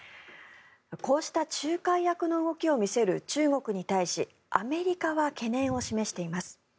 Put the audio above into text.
こうした仲介役の動きを見せる中国に対しアメリカは懸念を示しています。